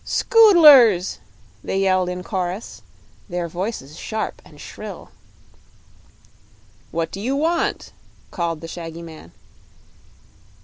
"Scoodlers!" they yelled in chorus, their voices sharp and shrill. "What do you want?" called the shaggy man.